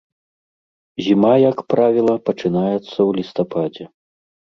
Зіма, як правіла, пачынаецца ў лістападзе.